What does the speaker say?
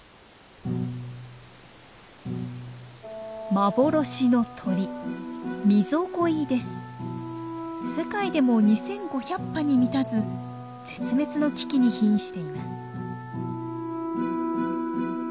幻の鳥世界でも２，５００羽に満たず絶滅の危機にひんしています。